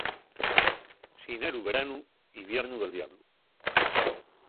Xineru veranu, iviernu del diablu.